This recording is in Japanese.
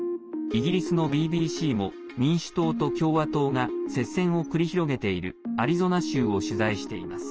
イギリスのＢＢＣも民主党と共和党が接戦を繰り広げているアリゾナ州を取材しています。